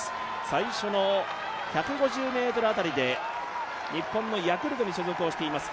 最初の１５０ｍ辺りで日本のヤクルトに所属をしています